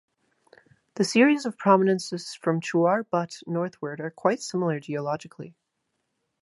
The series of prominences from Chuar Butte northward are quite similar geologically.